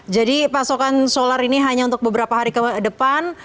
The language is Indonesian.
jadi pasokan solar ini hanya untuk beberapa hari ke depan